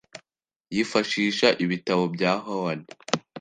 yifashisha ibitabo bya Howard